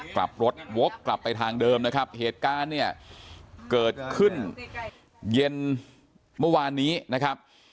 กลับรถวกกลับไปทางเดิมนะครับเหตุการณ์เนี่ยเกิดขึ้นเย็นเมื่อวานนี้นะครับ